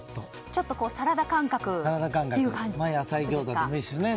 ちょっとサラダ感覚ですね。